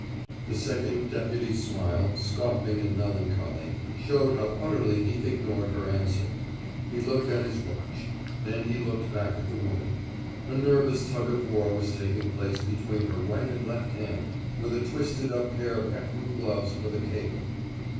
The Second Deputy's smile, scoffing and melancholy, showed how utterly he ignored her answer. He looked at his watch. Then he looked back at the woman. A nervous tug of war was taking place between her right and left hand, with a twisted up pair of ecru gloves for the cable.